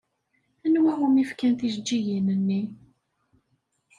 Anwa umi fkan tijeǧǧigin-nni?